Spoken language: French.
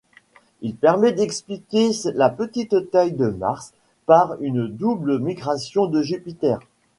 Il permet d'expliquer la petite taille de Mars par une double migration de Jupiter.